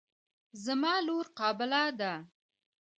زما لور قابله ده.